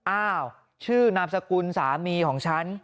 อ้าวชื่อนามสกุลสามีของฉัน